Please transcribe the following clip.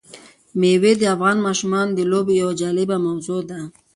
مېوې د افغان ماشومانو د لوبو یوه جالبه موضوع ده.